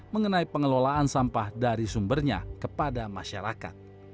mengenai pengelolaan sampah dari sumbernya kepada masyarakat